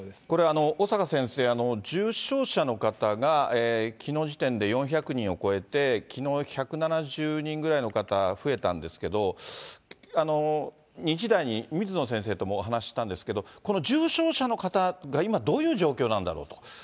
これ、小坂先生、重症者の方がきのう時点で４００人を超えて、きのう１７０人ぐらいの方増えたんですけど、２時台に水野先生ともお話したんですけど、この重症者の方が今、どういう状況なんだろうと。